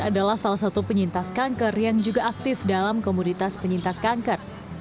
adalah salah satu penyintas kanker yang juga aktif dalam komunitas penyintas kanker